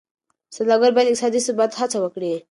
سوداګر باید د اقتصادي ثبات هڅه وکړي.